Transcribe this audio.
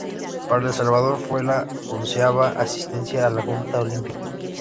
Para El Salvador fue la onceava asistencia a la justa olímpica.